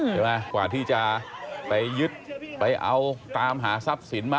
กว่าที่จะไปยึดไปเอาตามหาทรัพย์สินมา